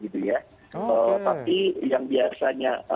tapi yang biasanya